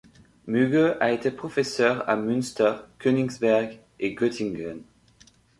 Mügge a été professeur à Münster, Königsberg et Göttingen.